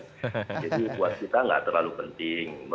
jadi buat kita enggak terlalu penting